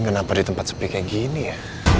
kenapa di tempat sepi kayak gini ya